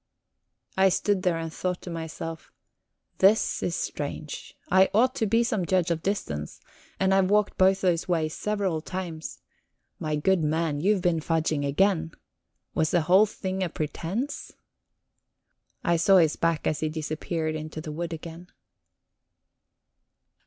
I stood there and thought to myself: This is strange! I ought to be some judge of distance, and I've walked both those ways several times. My good man, you've been fudging again. Was the whole thing a pretence? I saw his back as he disappeared into the wood again.